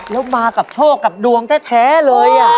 แล้วมากับโชคกับดวงแท้เลย